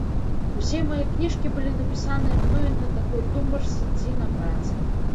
Усе мае кніжкі былі напісаныя мной на такой тумбачцы ці на працы.